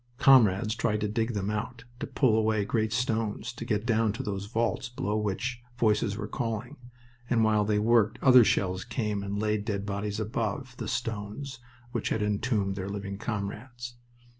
Comrades tried to dig them out, to pull away great stones, to get down to those vaults below from which voices were calling; and while they worked other shells came and laid dead bodies above the stones which had entombed their living comrades.